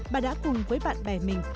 bà đã cùng với bạn bè mình